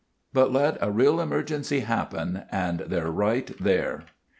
] "But let a real emergency happen and they're right there.